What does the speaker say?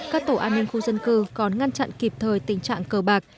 các tổ an ninh khu dân cư còn ngăn chặn kịp thời tình trạng cờ bạc